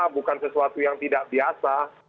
bukan sesuatu yang tidak biasa